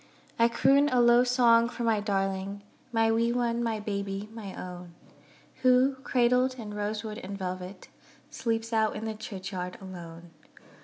I croon a low song for my darling, My wee one, my baby, my own; Who, cradled in rosewood and velvet, Sleeps out in the churchyard alone.